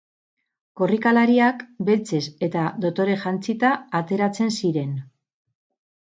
Korrikalariak beltzez eta dotore jantzita ateratzen ziren.